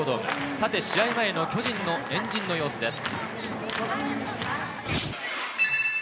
さて試合前の巨人の円陣の様子です。